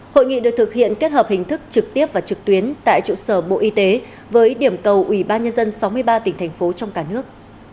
hội nghị được thực hiện kết hợp hình thức trực tiếp và trực tuyến tại trụ sở bộ y tế với điểm cầu ủy ban nhân dân sáu mươi ba tỉnh thành phố trong cả nước